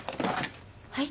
はい？